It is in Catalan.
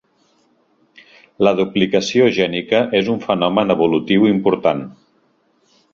La duplicació gènica és un fenomen evolutiu important.